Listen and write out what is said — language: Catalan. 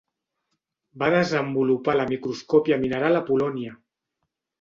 Va desenvolupar la microscòpia mineral a Polònia.